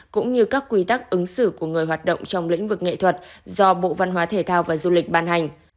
cũng như các quy tắc ứng xử của người hoạt động trong lĩnh vực nghệ thuật do bộ văn hóa thể thao và du lịch ban hành